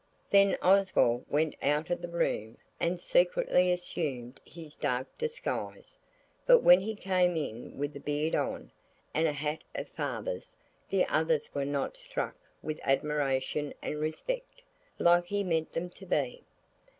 Then Oswald went out of the room and secretly assumed his dark disguise. But when he came in with the beard on, and a hat of Father's, the others were not struck with admiration and respect, like he meant them to be.